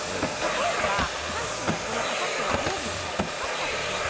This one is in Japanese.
例えば、阪神がこのあさっての火曜日の試合勝ったとします。